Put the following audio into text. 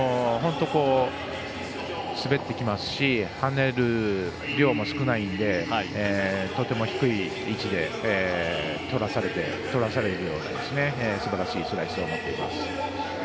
滑ってきますしはねる量も少ないのでとても低い位置でとらされるようなすばらしいスライスを持っています。